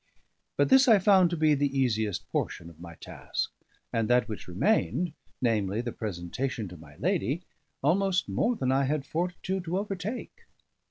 But this I found to be the easiest portion of my task, and that which remained namely, the presentation to my lady almost more than I had fortitude to overtake.